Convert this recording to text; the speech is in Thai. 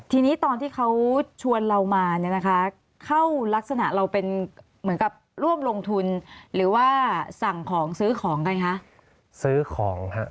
ตอนที่เขาชวนเรามาเนี่ยนะคะคือเข้าลักษณะเราเป็นเหมือนกับร่วมลงทุนหรือว่าสั่งของซื้อของไงฮะ